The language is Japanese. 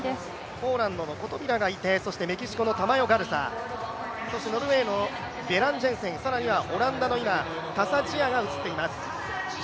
ポーランドのコトビラがいてそしてメキシコのタマヨガルサノルウェーの選手、オランダの今、タサ・ジヤが映っています。